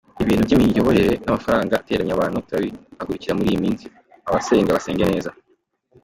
Ibintu by’imiyoborere n’amafaranga ateranya abantu turabihagurukira muri iyi minsi, abasenga basenge neza.